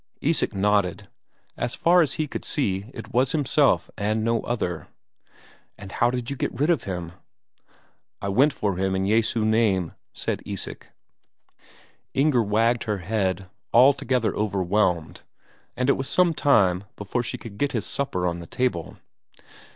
Isak nodded: as far as he could see it was himself and no other. "And how did you get rid of him?" "I went for him in Jesu name," said Isak. Inger wagged her head, altogether overwhelmed, and it was some time before she could get his supper on the table.